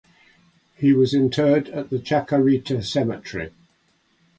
He was interred at the Chacarita Cemetery.